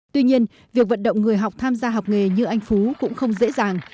tuy nhiên việc vận động người học tham gia học nghề như anh phú cũng không dễ dàng